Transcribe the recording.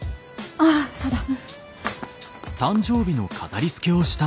ああそうだ。